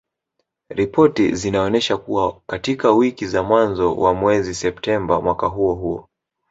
Ripoti zinaonesha kuwa katika wiki za mwanzo wa mwezi Septemba mwaka huo huo